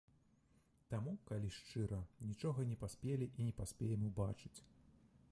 Таму, калі шчыра, нічога не паспелі і не паспеем убачыць.